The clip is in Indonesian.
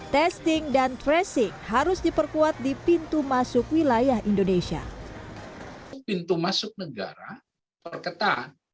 testing dan tracing harus diperkuat di pintu masuk wilayah indonesia pintu masuk negara perketat